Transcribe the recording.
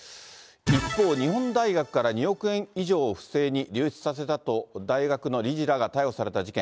一方、日本大学から２億円以上不正に流出させたと大学の理事らが逮捕された事件。